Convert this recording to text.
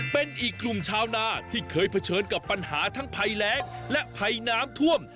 เป็นอีกกลุ่มชาวนาที่เคยเผชิญกับปัญหาทั้งภัยแรงและภัยน้ำท่วม